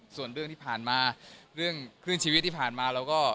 ส่วนเรื่องที่ผ่านมาเรื่องคลื่นชีวิตที่ผ่านมาเราก็